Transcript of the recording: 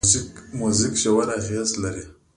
موزیک ژور اغېز لري.